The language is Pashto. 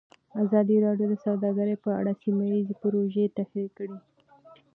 ازادي راډیو د سوداګري په اړه سیمه ییزې پروژې تشریح کړې.